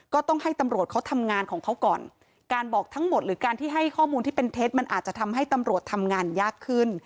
ก็ต้องให้ตำรวจเขาทำงานของเขาก่อนการบอกทั้งหมดหรือการที่ให้ข้อมูลที่เป็นเท็จมันอาจจะทำให้ตำรวจทำงานยากขึ้น